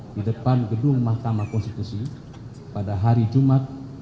di depan gedung mahkamah konstitusi pada hari jumat